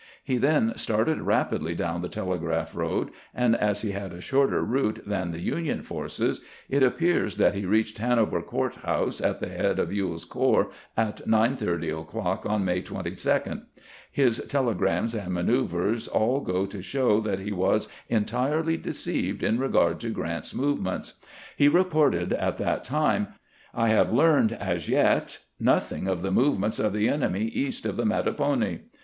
He then started rapidly down the Telegraph road, and as he had a shorter route than the Union forces, it ap pears that he reached Hanover Court house at the head of Ewell's corps at 9 : 30 o'clock on May 22. His tele 136 CAMPAIGNING WITH GKANT grams and manoeuvers all go to show that he was en tirely deceived in regard to Grant's movements. He reported at that time :" I have learned, as yet, nothing of the movements of the enemy east of the Mattapony."